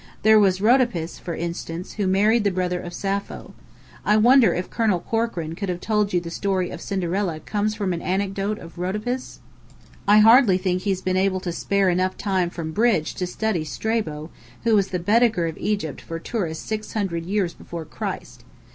There was Rhodopis, for instance, who married the brother of Sappho. I wonder if Colonel Corkran could have told you that the story of Cinderella comes from an anecdote of Rhodopis? I hardly think that he's been able to spare enough time from bridge to study Strabo, who was the Baedeker of Egypt for tourists six hundred years before Christ.